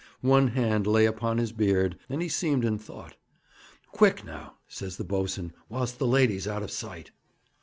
One hand lay upon his beard, and he seemed in thought. 'Quick, now,' says the boatswain, 'whilst the lady's out of sight.'